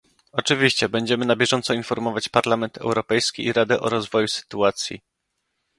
Oczywiście będziemy na bieżąco informować Parlament Europejski i Radę o rozwoju sytuacji